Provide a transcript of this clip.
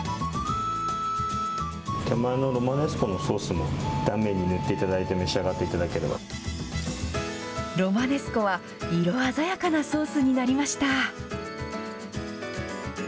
手前のロマネスコのソースも断面に塗っていただいて召し上がロマネスコは、色鮮やかなソースになりました。